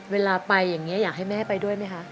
เวลาไปอย่างนี้อยากให้แม่ไปด้วยไหมคะ